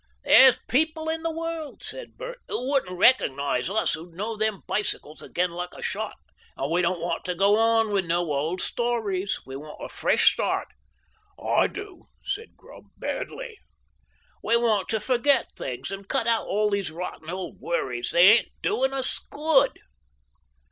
"There's people in the world," said Bert, "who wouldn't recognise us, who'd know them bicycles again like a shot, and we don't want to go on with no old stories. We want a fresh start." "I do," said Grubb, "badly." "We want to forget things and cut all these rotten old worries. They ain't doin' us good."